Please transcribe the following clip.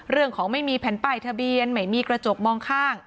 เรื่องของไม่มีแผ่นป้ายทะเบียนไม่มีกระจกมองข้าง